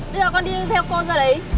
bây giờ con đi theo cô ra đấy